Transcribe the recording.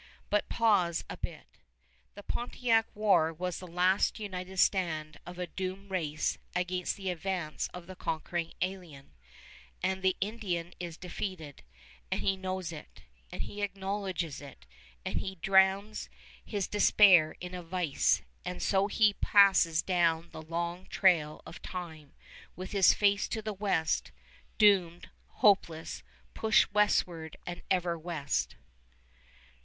But pause a bit: the Pontiac War was the last united stand of a doomed race against the advance of the conquering alien; and the Indian is defeated, and he knows it, and he acknowledges it, and he drowns his despair in a vice, and so he passes down the Long Trail of time with his face to the west, doomed, hopeless, pushed westward and ever west.